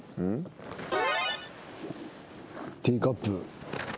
ティーカップ。